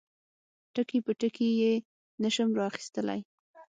ټکي په ټکي یې نشم را اخیستلای.